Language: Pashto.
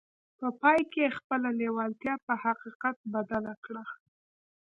په پای کې يې خپله لېوالتیا په حقيقت بدله کړه.